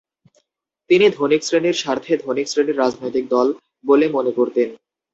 তিনি ধনীক শ্রেণীর স্বার্থে ধনীক শ্রেণীর রাজনৈতিক দল বলে মনে করতেন।